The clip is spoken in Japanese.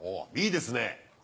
いいですね。